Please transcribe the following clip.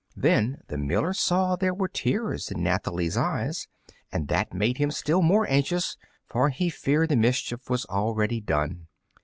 Then the miller saw there were tears in Nathalie's eyes, and that made him still more anxious, for he feared the mischief was already done.